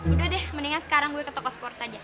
udah deh mendingan sekarang gue ke toko sport aja